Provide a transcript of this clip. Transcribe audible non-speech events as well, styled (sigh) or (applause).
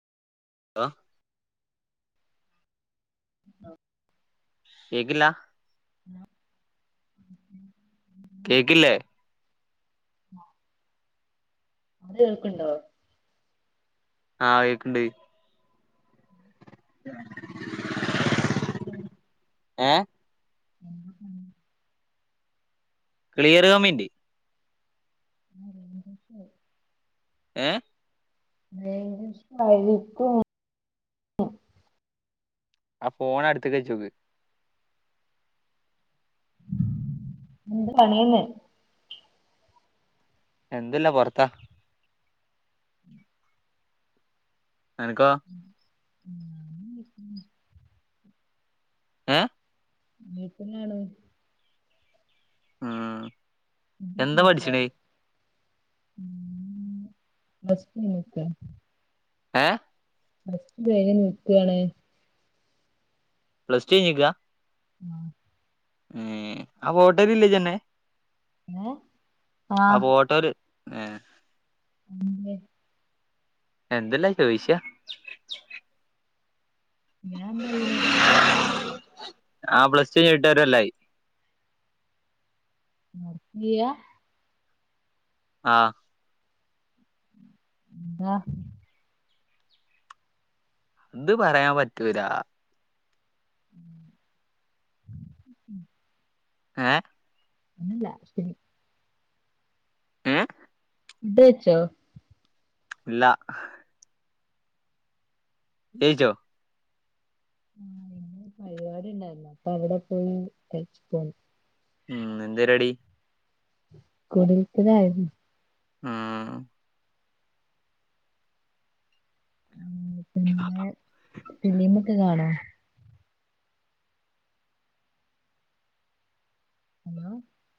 ആ ആഹ കേക്കില്ല ആ കേക്കില്ലേ അ കേൾക്ക്‌ണ്ടോ ആഹ കേക്കണ്ട് ഉ ഏ ക്ലിയർ കമ്മിണ്ട് ഏ ന ശഴിക്കും (unintelligible) ആ ഫോൺ അടുത്ത് ക്ക്‌ വെച്ചോക്ക് എന്ത് പണിന്ന് എന്തുല്ല പൊറത്താ നിനക്കോ ഏ? (unintelligible) ക്ക് ന്നാണ് ആഹ് ഫുഡ് എന്താ കഴിച്ചോ പഠിച്ച്ണേ? പ്ലസ് ടു ഞ്ഞ് നിക്കാ ഏഹ് പ്ലസ് ടു കഴിഞ്ഞു നിക്കുവാണെ പ്ലസ് ടു കഴിഞ്ഞിക്കാ ഉം ഉം ആ ഹോട്ടെല്ലേജന്നെ ഏ ആ അപ്പോ ഓട്ടോല് (unintelligible) എന്തല്ലാ ചോയിച്ചാ ഇയാള് എന്തായിണെ ആഹ് പ്ലസ് ടു ഞ്ഞിട്ടോരോല്ലായി ആഹ് ഫ്രീയാ ആഹ് (unintelligible) അത് പറയാൻ പറ്റൂലാ ഏഹ് ഒന്നുല്ല ശെരി ഏഹ് ഫുഡ്‌ കയിച്ചോ ഇല്ല ഏയ്ജോ ആ ഇന്ന് പരിപാടിണ്ടായിരുന്നു അപ്പൊ അവിടെ പോയി കയ്ച്ചിട്ടു പോന്നു. ഉം എന്തരിപാടി? കുടിര്ക്കലായിരുന്നു. ആഹ്. പിന്നെ... ഫിലിം ഒക്കെ കാണോ? ഹലോ